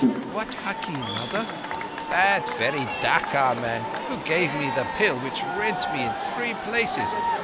"What hakim, mother?" "That very Dacca man who gave me the pill which rent me in three pieces.